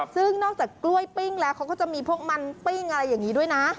ซึ่งนอกจากกล้วยปิ้งแล้วเขาก็จะมีพวกมันปิ้งอะไรอย่างนี้ด้วยนะ